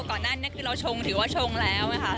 ก่อนหน้านี้คือเราชงถือว่าชงแล้วค่ะ